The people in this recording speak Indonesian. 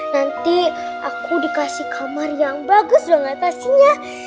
nanti aku dikasih kamar yang bagus doang atasinya